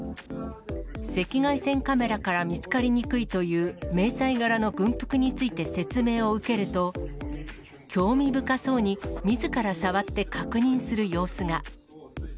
赤外線カメラから見つかりにくいという迷彩柄の軍服について説明を受けると、興味深そうに、みずから触って確認する様子が。